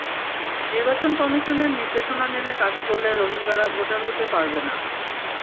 নির্বাচন কমিশনের নির্দেশনা মেনে কাজ করলে রোহিঙ্গারা ভোটার হতে পারবে না।